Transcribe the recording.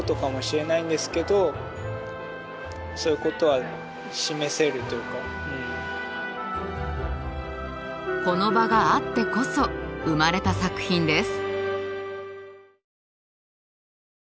全く知らないこの場があってこそ生まれた作品です。